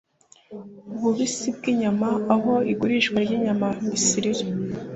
ububisi bw inyama aho igurisha ry inyama mbisi riri